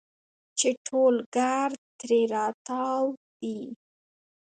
چې ټول ګرد ترې راتاو دي.